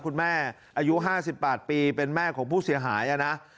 คุณแม่อายุ๕๘ปีเป็นแม่ของผู้เสียหายนะ